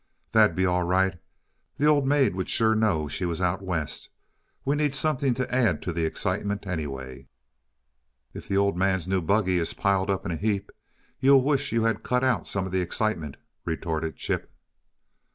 "That'd be all right. The old maid would sure know she was out West we need something to add to the excitement, anyway." "If the Old Man's new buggy is piled in a heap, you'll wish you had cut out some of the excitement," retorted Chip.